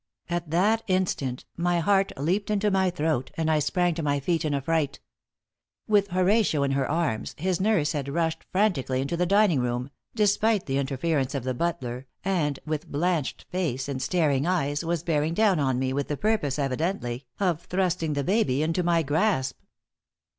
At that instant my heart leaped into my throat, and I sprang to my feet in affright. With Horatio in her arms, his nurse had rushed frantically into the dining room, despite the interference of the butler, and, with blanched face and staring eyes, was bearing down on me, with the purpose, evidently, of thrusting the baby into my grasp.